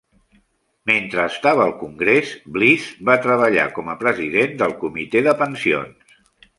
Mentre estava al Congrés, Bliss va treballar com a president del comitè de pensions.